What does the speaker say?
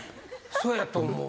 そうやと思うわ。